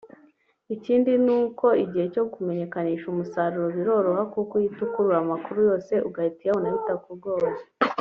Ikindi ni uko igihe cyo kumenyekanisha umusoro biroroha kuko uhita ukurura amakuru yose ugahita uyabona bitakugoye